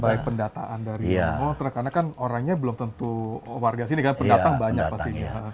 baik pendataan dari motor karena kan orangnya belum tentu warga sini kan pendatang banyak pastinya